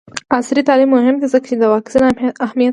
عصري تعلیم مهم دی ځکه چې د واکسین اهمیت بیانوي.